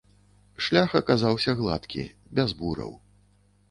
Шлях аказаўся гладкі, без бураў.